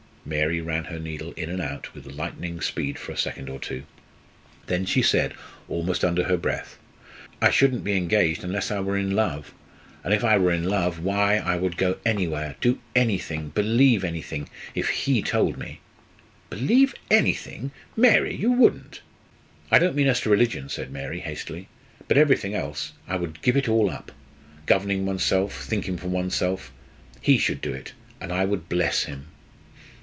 Mary ran her needle in and out with lightning speed for a second or two, then she said almost under her breath "I shouldn't be engaged unless I were in love. And if I were in love, why, I would go anywhere do anything believe anything if he told me!" "Believe anything? Mary you wouldn't!" "I don't mean as to religion," said Mary, hastily. "But everything else I would give it all up! governing one's self, thinking for one's self. He should do it, and I would bless him!"